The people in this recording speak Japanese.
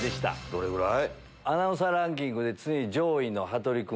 どれぐらい？